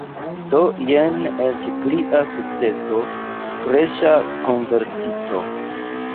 Do jen eĉ plia sukceso – freŝa konvertito!